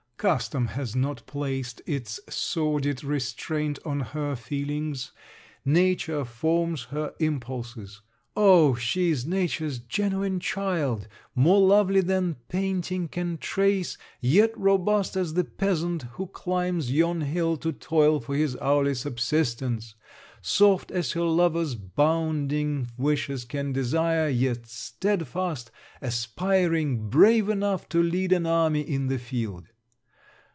Custom has not placed its sordid restraint on her feelings. Nature forms her impulses. Oh, she is Nature's genuine child! more lovely than painting can trace: yet robust as the peasant who climbs yon hill to toil for his hourly subsistence soft as her lover's bounding wishes can desire: yet stedfast, aspiring, brave enough to lead an army in the field.